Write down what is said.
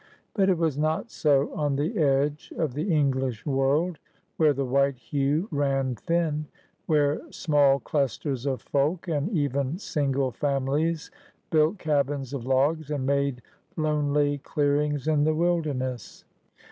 But it was not so on the edge of the English world, where the white hue ran thin, where small clusters of folk and even single families built cabins of logs and made lonely clear ings in the wilderness.